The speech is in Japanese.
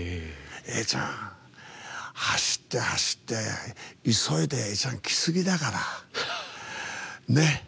永ちゃん、走って走って急いでいきすぎだから。